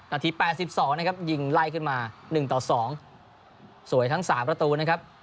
นาที๘๒นะครับยิงไล่ขึ้นมา๑ต่อ๒สวยทั้ง๓ประตูนะครับ